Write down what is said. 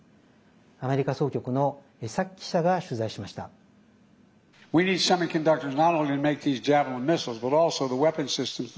アメリカ総局の江崎記者が取材しました。